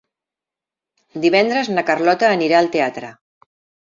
Divendres na Carlota anirà al teatre.